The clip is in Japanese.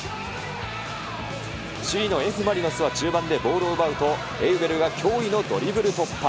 首位のＦ・マリノスは中盤でボールを奪うと、エウベルが驚異のドリブル突破。